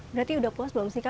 berarti sudah puas belum sih